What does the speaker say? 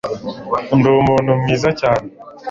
ndi umuntu mwiza cyane